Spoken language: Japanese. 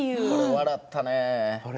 笑ったね。